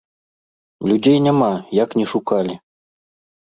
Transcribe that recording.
Людзей няма, як ні шукалі.